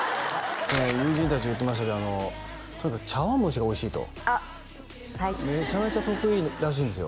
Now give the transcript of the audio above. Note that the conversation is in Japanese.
友人達が言ってましたけどとにかく茶碗蒸しがおいしいとあっはいめちゃめちゃ得意らしいんですよ